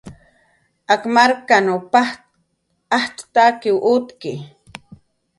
"Ak markan paj ajtz' t""akiw utki"